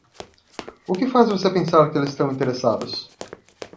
O que faz você pensar que eles estão interessados??